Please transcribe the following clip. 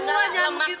nggak enggak enggak